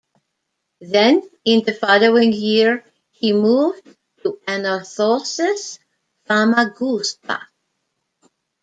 Then in the following year he moved to Anorthosis Famagusta.